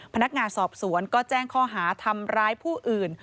พนักงานสอบสวนก็แจ้งข้อหาทำร้ายผู้อื่น